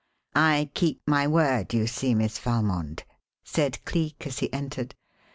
"I keep my word, you see, Miss Valmond," said Cleek, as he entered.